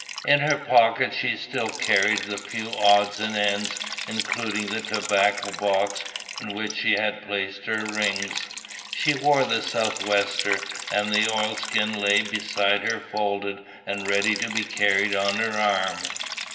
In her pocket she still carried the few odds and ends including the tobacco box in which she had placed her rings. She wore the sou'wester, and the oilskin lay beside her folded and ready to be carried on her arm.